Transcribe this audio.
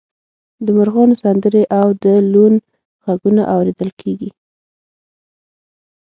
د مرغانو سندرې او د لوون غږونه اوریدل کیږي